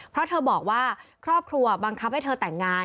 เพราะเธอบอกว่าครอบครัวบังคับให้เธอแต่งงาน